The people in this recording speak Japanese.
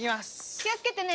気をつけてね。